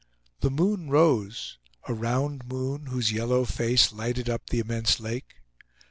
The moon rose, a round moon, whose yellow face lighted up the immense lake.